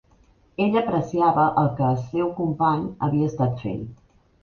Ell apreciava el que es seu company havia estat fent.